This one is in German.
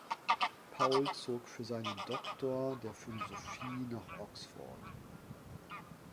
Paul zog für seinen Doktor der Philosophie nach Oxford.